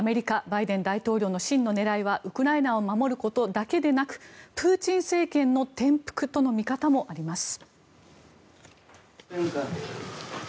バイデン大統領の真の狙いはウクライナを守ることだけでなくプーチン政権の転覆との見方もあります。